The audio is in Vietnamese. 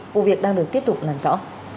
vụ việc đang được tiếp tục làm rõ